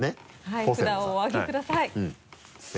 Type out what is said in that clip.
はい札をお上げください。